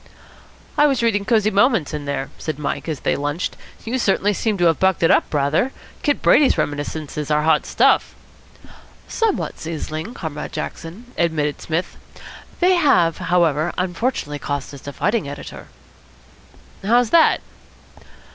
"I was reading Cosy Moments in there," said Mike, as they lunched. "You certainly seem to have bucked it up rather. Kid Brady's reminiscences are hot stuff." "Somewhat sizzling, Comrade Jackson," admitted Psmith. "They have, however, unfortunately cost us a fighting editor." "How's that?"